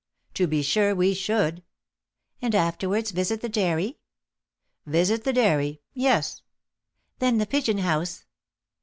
"To be sure we should." "And afterwards visit the dairy?" "Visit the dairy! Yes." "Then the pigeon house?"